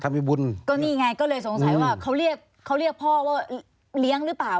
มีบุญก็นี่ไงก็เลยสงสัยว่าเขาเรียกเขาเรียกพ่อว่าเลี้ยงหรือเปล่า